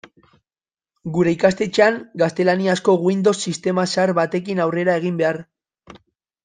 Gure ikastetxean gaztelaniazko Windows sistema zahar batekin aurrera egin behar.